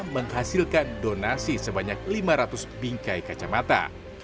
menghasilkan donasi sebanyak lima ratus bingkai kacamata